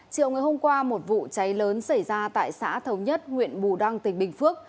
chiều ngày hôm qua một vụ cháy lớn xảy ra tại xã thống nhất huyện bù đăng tỉnh bình phước